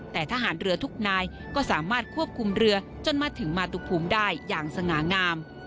แต่ทหารเรือทุกนายก็สามารถควบคุมเรือจนมาถึงมาตุภูมิได้อย่างสง่างาม